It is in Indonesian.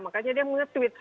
makanya dia menge tweet